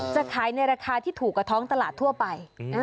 จะขายในราคาที่ถูกกว่าท้องตลาดทั่วไป